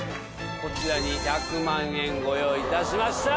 こちらに１００万円ご用意いたしました！